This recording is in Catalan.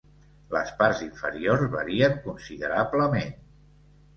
Les parts inferiors varien considerablement.